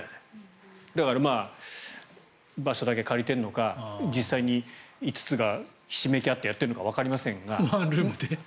だから、場所だけ借りてるのか実際に５つがひしめき合ってやっているのかワンルームで？